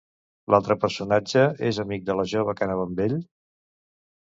L'altre personatge és amic de la jove que anava amb ell?